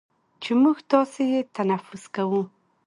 چې موږ تاسې یې تنفس کوو،